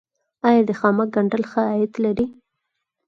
آیا د خامک ګنډل ښه عاید لري؟